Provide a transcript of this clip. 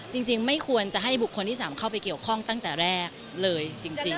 จริงไม่ควรจะให้บุคคลที่๓เข้าไปเกี่ยวข้องตั้งแต่แรกเลยจริง